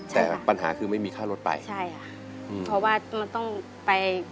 แต่ปัญหาคือไม่มีรถช่างรถไป